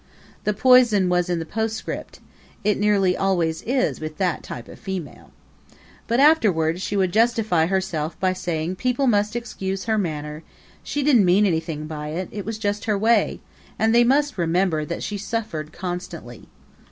The poison was in the postscript it nearly always is with that type of female. But afterward she would justify herself by saying people must excuse her manner she didn't mean anything by it; it was just her way, and they must remember that she suffered constantly.